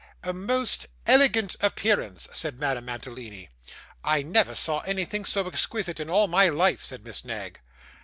'A most elegant appearance,' said Madame Mantalini. 'I never saw anything so exquisite in all my life,' said Miss Knag.